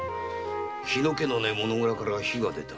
火の気のねえ物蔵から火が出た。